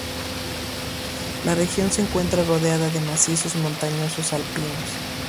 La región se encuentra rodeada de macizos montañosos alpinos.